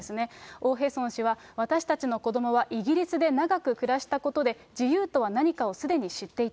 オ・ヘソン氏は、私たちの子どもはイギリスで長く暮らしたことで、自由とは何かをすでに知っていた。